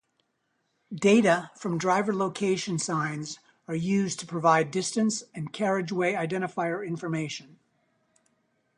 Data from driver location signs are used to provide distance and carriageway identifier information.